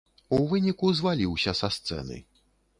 У выніку, зваліўся са сцэны.